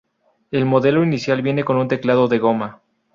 El modelo inicial viene con un teclado de goma.